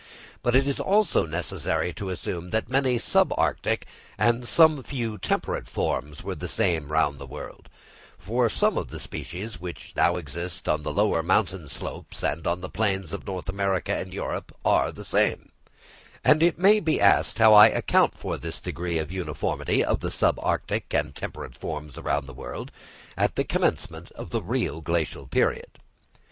But it is also necessary to assume that many sub arctic and some few temperate forms were the same round the world, for some of the species which now exist on the lower mountain slopes and on the plains of North America and Europe are the same; and it may be asked how I account for this degree of uniformity of the sub arctic and temperate forms round the world, at the commencement of the real Glacial period.